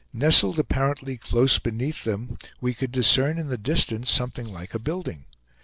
Nestled apparently close beneath them, we could discern in the distance something like a building.